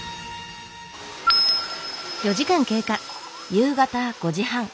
夕方５時半。